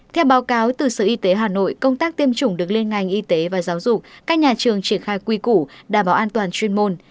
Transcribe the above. theo báo cáo từ sở y tế hà nội công tác tiêm chủng được liên ngành y tế và giáo dục các nhà trường triển khai quy củ đảm bảo an toàn chuyên môn